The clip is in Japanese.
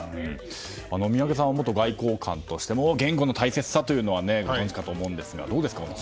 宮家さんは元外交官として言語の大切さというのはご存じかと思うんですが。